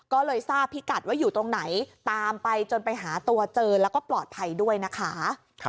ก็เลยทราบพิกัดว่าอยู่ตรงไหนตามไปจนไปหาตัวเจอแล้วก็ปลอดภัยด้วยนะคะ